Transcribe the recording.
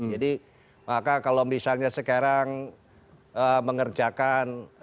jadi maka kalau misalnya sekarang mengerjakan